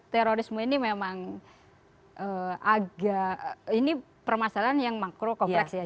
terorisme ini memang agak ini permasalahan yang makro kompleks ya